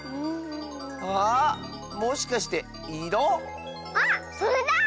ああっもしかしていろ⁉あっそれだ！